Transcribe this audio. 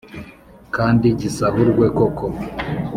kandi gisahurwe koko